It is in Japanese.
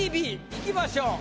いきましょう。